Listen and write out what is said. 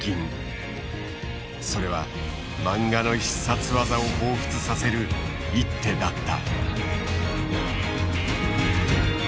それは漫画の必殺技をほうふつさせる一手だった。